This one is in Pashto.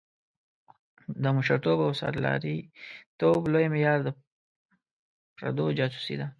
د مشرتوب او سرلاري توب لوی معیار د پردو جاسوسي ده.